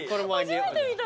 初めて見た。